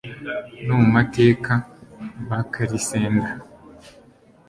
No mu mateka bakarisenda